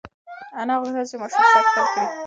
انا غوښتل چې د ماشوم سر ښکل کړي.